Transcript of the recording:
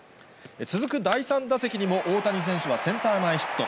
続く第３打席にも、大谷選手はセンター前ヒット。